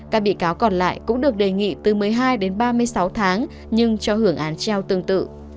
các bị cáo còn lại cũng được đề nghị từ một mươi hai đến ba mươi sáu tháng nhưng cho hưởng án treo tương tự